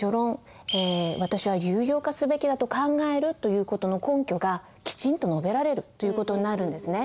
「私は有料化すべきだと考える」という事の根拠がきちんと述べられるという事になるんですね。